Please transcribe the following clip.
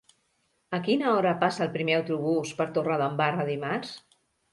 A quina hora passa el primer autobús per Torredembarra dimarts?